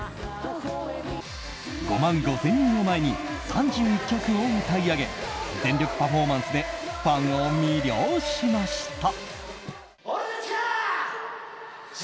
５万５０００人を前に３１曲を歌い上げ全力パフォーマンスでファンを魅了しました。